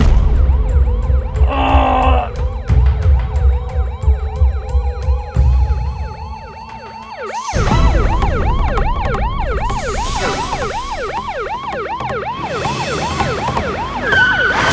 tidak ada yang bisa dipercayai